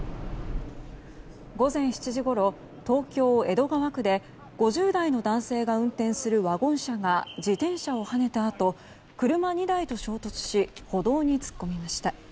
午前７時ごろ東京・江戸川区で５０代の男性が運転するワゴン車が自転車をはねたあと車２台と衝突し歩道に突っ込みました。